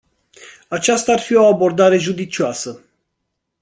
Aceasta ar fi o abordare judicioasă.